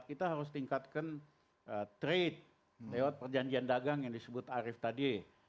kita harus tingkatkan trade lewat perjanjian dagang yang disebut arief tadi